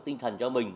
tinh thần cho mình